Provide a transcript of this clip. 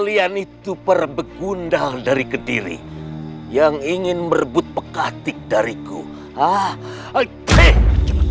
istirahat disini dulu